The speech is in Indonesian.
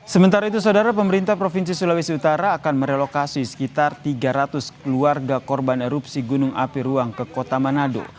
sementara itu saudara pemerintah provinsi sulawesi utara akan merelokasi sekitar tiga ratus keluarga korban erupsi gunung api ruang ke kota manado